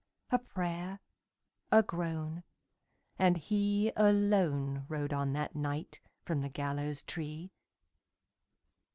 A prayer, a groan, and he alone Rode on that night from the gallows tree.